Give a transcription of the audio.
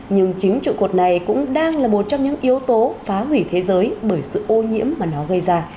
nhưng chính trụ cột này cũng đang là một trong những yếu tố phá hủy thế giới bởi sự ô nhiễm mà nó gây ra